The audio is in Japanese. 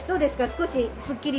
少しすっきりと。